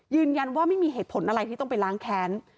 ยืนยันว่าไม่มีเหตุผลอะไรที่ต้องไปล้างแค้น